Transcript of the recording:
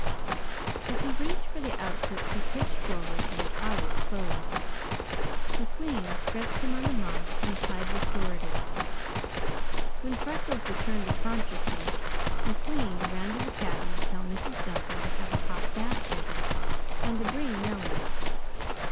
As he reached for the outfit he pitched forward and his eyes closed. McLean stretched him on the moss and applied restoratives. When Freckles returned to consciousness, McLean ran to the cabin to tell Mrs. Duncan to have a hot bath ready, and to bring Nellie.